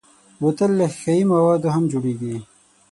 بوتل له ښیښهيي موادو هم جوړېږي.